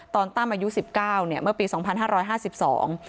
ตั้มอายุสิบเก้าเนี่ยเมื่อปีสองพันห้าร้อยห้าสิบสอง